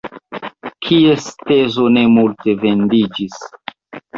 Kies tezo ne multe vendiĝis?